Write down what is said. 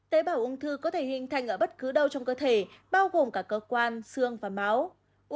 tế bào ung thư có thể hình thành ở bất cứ đâu trong cơ thể bao gồm cả cơ quan xương và máu